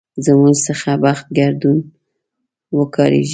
زموږ څخه بخت ګردون وکاږي.